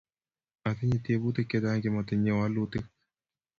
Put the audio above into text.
Atinye tyebutik chechang' che motinye walutik